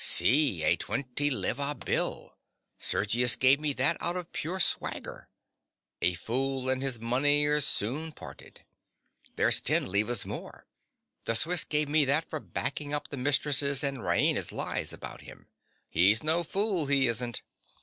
_) See, a twenty leva bill! Sergius gave me that out of pure swagger. A fool and his money are soon parted. There's ten levas more. The Swiss gave me that for backing up the mistress's and Raina's lies about him. He's no fool, he isn't.